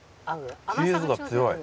チーズが強い。